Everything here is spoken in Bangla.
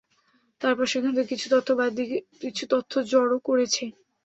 তারপর সেখান থেকে কিছু তথ্য বাদ দিয়ে কিছু তথ্য জড়ো করেছে।